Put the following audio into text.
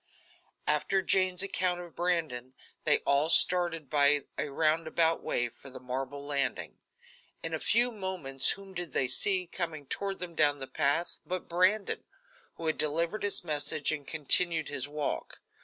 After Jane's account of Brandon, they all started by a roundabout way for the marble landing. In a few moments whom did they see, coming toward them down the path, but Brandon, who had delivered his message and continued his walk.